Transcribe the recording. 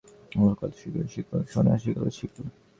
লোহার শিকলও শিকল, সোনার শিকলও শিকল।